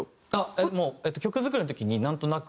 もう曲作りの時になんとなく。